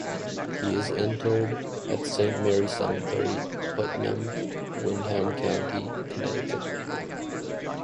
He is interred at Saint Mary Cemetery, Putnam, Windham County, Connecticut.